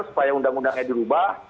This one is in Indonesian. supaya undang undangnya dirubah